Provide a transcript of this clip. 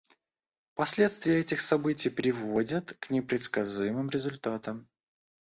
Последствия этих событий приводят к непредсказуемым результатам.